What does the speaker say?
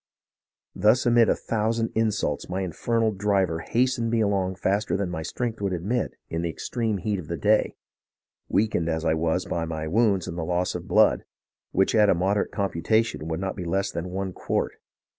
Thus amid a thousand in sults my infernal driver hastened me along faster than my strength would admit in the extreme heat of the day, weakened as I was by my wounds and the loss of blood, which at a moderate computation would not be less than one quart.